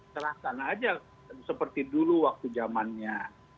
serahkan aja seperti dulu waktu zamannya